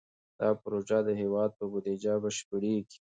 دا پروژه د هېواد په بودیجه بشپړېږي.